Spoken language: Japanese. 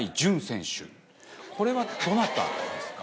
これはどなたですか？